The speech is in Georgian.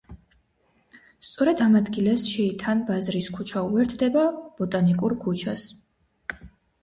სწორედ ამ ადგილას შეითან ბაზრის ქუჩა უერთდება ბოტანიკურ ქუჩას.